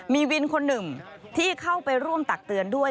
มีวินคนหนึ่งที่เข้าไปร่วมตักเตือนด้วย